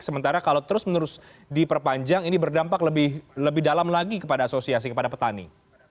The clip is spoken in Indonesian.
sementara kalau terus menerus diperpanjang ini berdampak lebih dalam lagi kepada asosiasi kepada petani